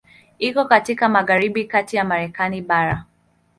Iko katika magharibi kati ya Marekani bara.